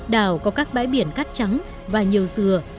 đảo có các bãi biển cắt trắng và nhiều dừa